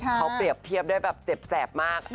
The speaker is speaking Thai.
เขาเปรียบเทียบได้แบบเจ็บแสบมาก